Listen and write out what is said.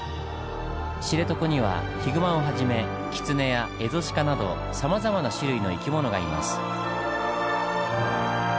知床にはヒグマをはじめキツネやエゾシカなどさまざまな種類の生き物がいます。